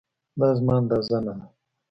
دا زما اندازه نه ده